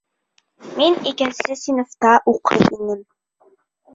Мин икенсе синыфта уҡый инем.